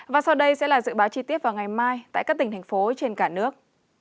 và sau đây sẽ là dự báo chi tiết vào ngày mai tại các tỉnh thành phố trên cả nước